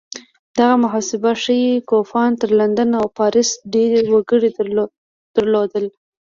دغه محاسبه ښيي کوپان تر لندن او پاریس ډېر وګړي لرل.